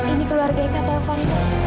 ini keluarga eka taufan